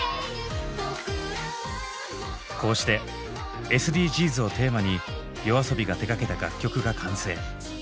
こうして「ＳＤＧｓ」をテーマにＹＯＡＳＯＢＩが手がけた楽曲が完成。